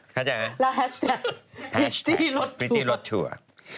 เข้าใจไหมพริตตี้รถทัวร์แล้วแฮชแท็ก